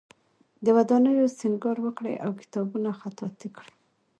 د ودانیو سینګار وکړي او کتابونه خطاطی کړي.